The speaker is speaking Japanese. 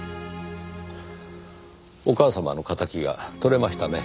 お母様の敵が取れましたね。